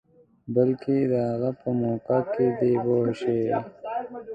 بلکې د هغه په موقع کې دی پوه شوې!.